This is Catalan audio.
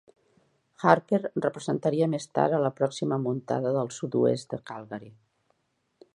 Harper representaria més tard a la pròxima muntada del sud-oest de Calgary.